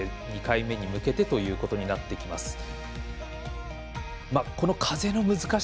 ２回目に向けてということになってきます。